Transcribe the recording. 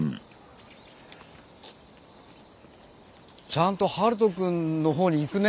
ちゃんと陽翔くんの方に行くね。